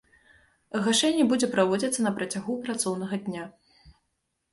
Гашэнне будзе праводзіцца на працягу працоўнага дня.